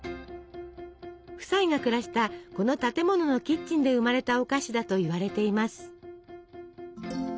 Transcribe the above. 夫妻が暮らしたこの建物のキッチンで生まれたお菓子だといわれています。